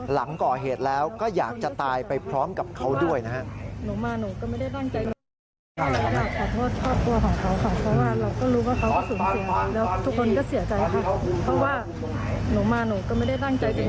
หลังก่อเหตุแล้วก็อยากจะตายไปพร้อมกับเขาด้วยนะฮะ